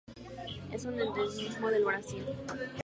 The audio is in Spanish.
Es un endemismo del Brasil.